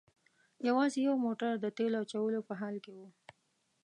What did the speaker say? یوازې یو موټر د تیلو اچولو په حال کې و.